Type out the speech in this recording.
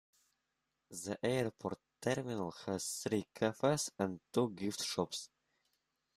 The airport terminal has three cafes and two gift shops.